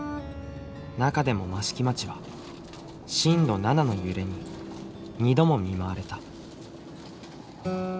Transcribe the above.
中でも益城町は震度７の揺れに２度も見舞われた。